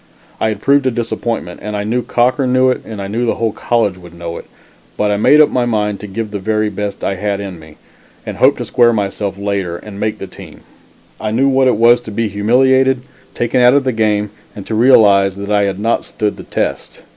I had proved a disappointment, and I knew Cochran knew it and I knew the whole college would know it, but I made up my mind to give the very best I had in me, and hoped to square myself later and make the team. I knew what it was to be humiliated, taken out of a game, and to realize that I had not stood the test.